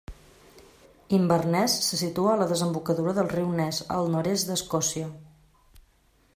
Inverness se situa a la desembocadura del riu Ness, al nord-est d’Escòcia.